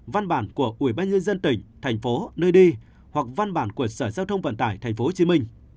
văn bản của ủy ban nhân dân tỉnh thành phố nơi đi hoặc văn bản của sở giao thông vận tải tp hcm